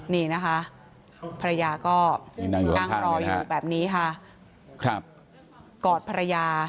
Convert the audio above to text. นี่นะคะภรรยาก็นั่งรออยู่แบบนี้ค่ะครับกอดภรรยา